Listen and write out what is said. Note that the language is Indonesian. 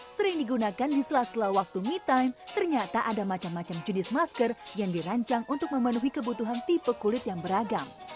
sering digunakan di sela sela waktu me time ternyata ada macam macam jenis masker yang dirancang untuk memenuhi kebutuhan tipe kulit yang beragam